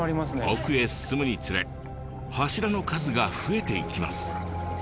奥へ進むにつれ柱の数が増えていきます。